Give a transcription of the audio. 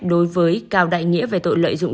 đối với cao đại nghĩa về tội lợi dụng